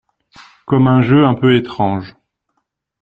Comme un jeu un peu étrange.